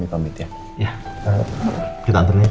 iya kita kan dulunya selesai a kinder hier